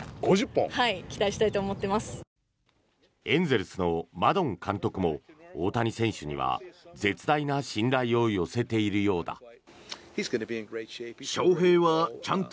エンゼルスのマドン監督も大谷選手には絶大な信頼を寄せているようだ。